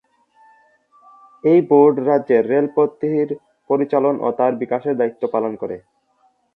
এ board রাজ্যের রেলপথের পরিচালন ও তার বিকাশের দায়িত্ব পালন করে।